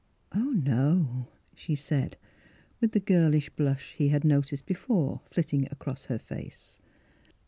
" Oh, no," she said, with the girlish blush he had noticed before flitting across her face.